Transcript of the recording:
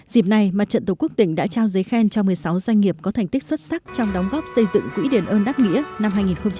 dịp này mặt trận tổ quốc tỉnh đã trao giấy khen cho một mươi sáu doanh nghiệp có thành tích xuất sắc trong đóng góp xây dựng quỹ đền ơn đáp nghĩa năm hai nghìn hai mươi ba